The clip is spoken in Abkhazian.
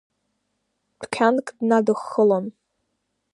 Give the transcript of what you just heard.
Дәқьанк днадыххылон.